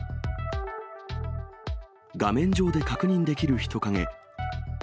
画面上で確認できる人影。